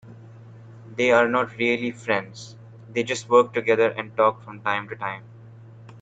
They are not really friends, they just work together and talk from time to time.